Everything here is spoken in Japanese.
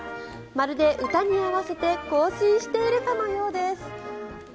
まるで歌に合わせて行進しているかのようです。